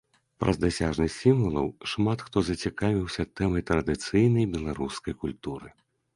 Праз дасяжнасць сімвалаў шмат хто зацікавіўся тэмай традыцыйнай беларускай культуры.